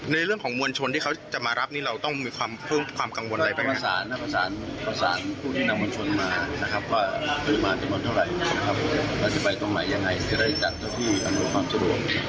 มีความหมายอย่างไรจะได้จัดตัวที่อำนวยความสะดวก